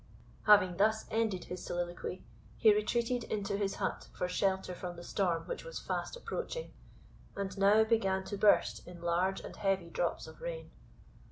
Having thus ended his soliloquy, he retreated into his hut for shelter from the storm which was fast approaching, and now began to burst in large and heavy drops of rain.